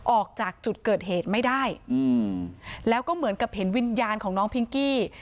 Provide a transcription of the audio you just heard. ออกจากจุดเกิดเหตุไม่ได้อืมแล้วก็เหมือนกับเห็นวิญญาณของน้องพิงกี้